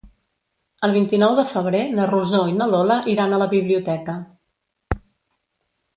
El vint-i-nou de febrer na Rosó i na Lola iran a la biblioteca.